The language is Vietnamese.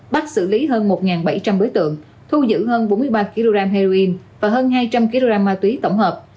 bắt xử lý hơn một bảy trăm linh đối tượng thu giữ hơn bốn mươi ba kg heroin và hơn hai trăm linh kg ma túy tổng hợp